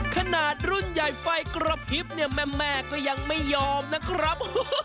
ขนาดรุ่นใหญ่ไฟกระพริบเนี่ยแม่ก็ยังไม่ยอมนะครับ